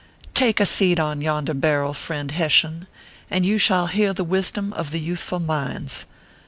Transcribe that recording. Take a seat on yonder barrel, friend Hessian, and you shall hear the wisdom of the youth ful minds.